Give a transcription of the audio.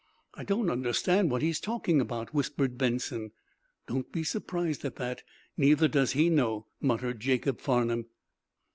"I don't understand what he's talking about," whispered Benson. "Don't be surprised at that. Neither does he know," muttered Jacob Farnum.